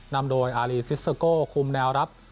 นำโดยอารีซิสโก้คุมแนวรับ